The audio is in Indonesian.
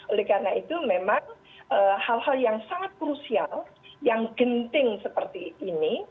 oleh karena itu memang hal hal yang sangat krusial yang genting seperti ini